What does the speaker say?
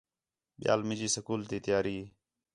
ٻِیال مینجی سکول تی تیاری